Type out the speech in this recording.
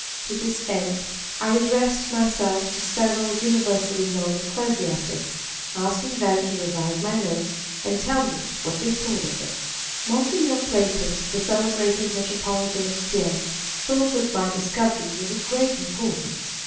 To this end, I addressed myself to several universally known ecclesiastics, asking them to revise my notes and tell me what they thought of them. Mgr. Platon, the celebrated metropolitan of Kiew, thought that my discovery was of great importance.